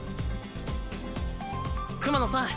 熊野さん